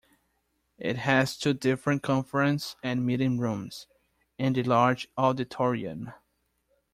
It has two different conference and meeting rooms and a large auditorium.